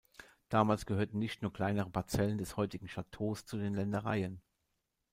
Damals gehörten nicht nur kleinere Parzellen des heutigen Châteaus zu den Ländereien.